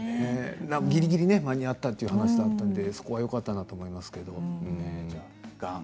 ぎりぎり間に合ったということでそこはよかったと思うんですけども。